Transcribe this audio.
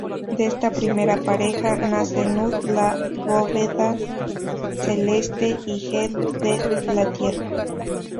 De esta primera pareja, nacen Nut "la bóveda celeste", y Geb "la Tierra".